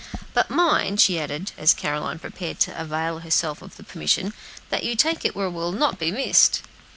"But mind," she added, as Caroline prepared to avail herself of the permission, "that you take it where it will not be missed."